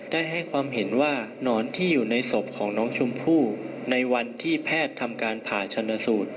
ได้ให้ความเห็นว่านอนที่อยู่ในศพของน้องชมพู่ในวันที่แพทย์ทำการผ่าชนสูตร